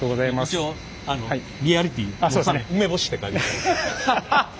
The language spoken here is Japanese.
一応リアリティー持って梅干しって書いてみた。